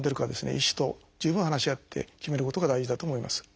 医師と十分話し合って決めることが大事だと思います。